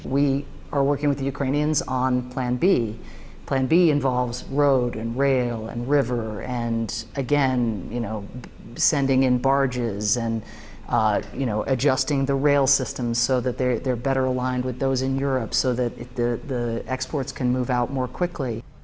dampnya dirasakan negara seperti somalia yang ketahanan pangannya terancam karena setengah dari kebutuhan gandum negara itu didatangkan dari ukraina